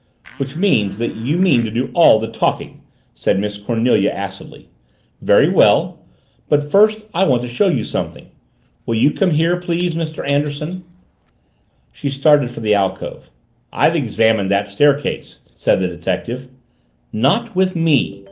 "Which means that you mean to do all the talking!" said Miss Cornelia acidly. "Very well! But first I want to show you something. Will you come here, please, Mr. Anderson?" She started for the alcove. "I've examined that staircase," said the detective. "Not with me!"